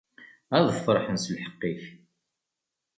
Ad ferrḥen s lḥeqq-ik.